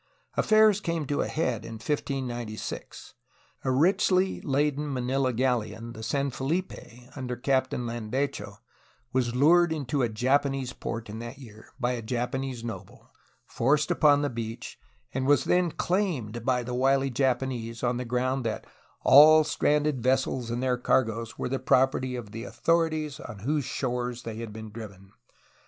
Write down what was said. Affairs came to a head in 1596. A richly laden Manila galleon, the San Felipe under Captain Landecho, was lured into a Japanese port in that year by a Japanese noble, forced upon the beach, and was then claimed by the wily Japanese on the ground that all stranded vessels and their cargoes were the property of the authorities on whose shores they had been driven.